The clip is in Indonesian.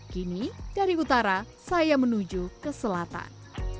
kini dari utara saya menuju ke selatan